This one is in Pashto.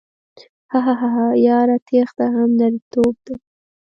هههههه یاره تیښته هم نرتوب ده